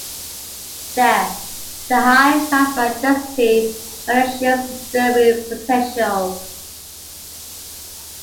There, the high plasma density better shields disturbing potentials.